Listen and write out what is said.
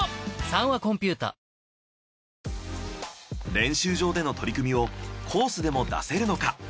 練習場での取り組みをコースでも出せるのか？